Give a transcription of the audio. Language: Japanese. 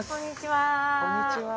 こんにちは。